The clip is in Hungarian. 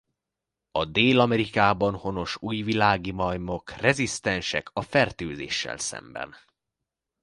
A Dél-Amerikában honos újvilági majmok rezisztensek a fertőzéssel szemben.